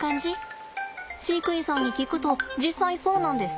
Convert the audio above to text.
飼育員さんに聞くと実際そうなんですって。